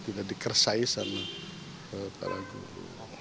tidak dikersai sama para guru